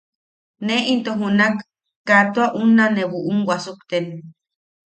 Ne into junak, kaa tua, unna ne buʼum wasukten.